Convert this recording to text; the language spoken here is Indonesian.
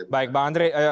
baik bang andri